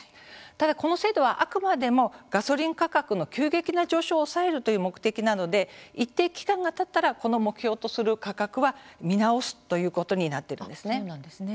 ただ、この制度は、あくまでもガソリン価格の急激な上昇を抑えるという目的なので一定期間がたったらこの目標とする価格は見直すということになっているんですね。